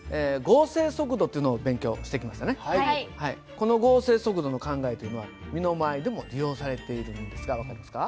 この合成速度の考えというのは身の回りでも利用されているんですが分かりますか？